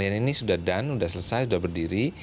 dan sudah terkonsolidasi